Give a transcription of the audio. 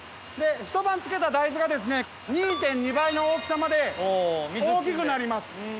ひと晩つけた大豆がですね２．２倍の大きさまで大きくなります。